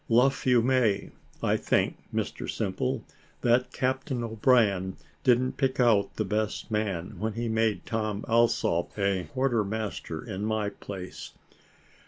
Luff you may. I think, Mr Simple, that Captain O'Brien didn't pick out the best man, when he made Tom Alsop a quarter master in my place."